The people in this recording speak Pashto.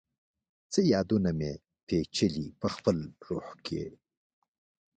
څه یادونه مي، پیچلي پخپل روح کي